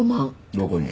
どこに？